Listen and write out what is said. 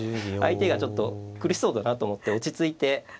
相手がちょっと苦しそうだなと思って落ち着いて。